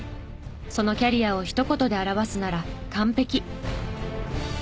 そのキャリアを一言で表すなら「完璧」。